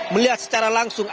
melihat secara langsung